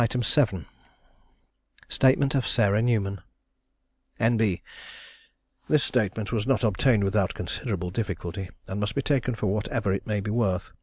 Statement of Sarah Newman. N.B. This statement was not obtained without considerable difficulty, and must be taken for whatever it may be worth.